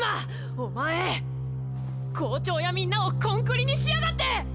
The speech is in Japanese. お前校長やみんなをコンクリにしやがって！